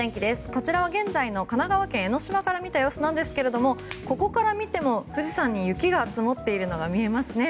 こちらは現在の神奈川県・江の島から見た様子ですがここから見ても富士山に雪が積もっているのが見えますね。